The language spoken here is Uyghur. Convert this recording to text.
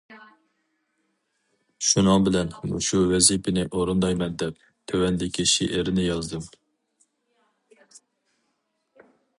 شۇنىڭ بىلەن مۇشۇ ۋەزىپىنى ئورۇندايمەن، دەپ تۆۋەندىكى شېئىرنى يازدىم.